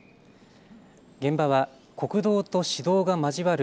現場は国道と市道が交わる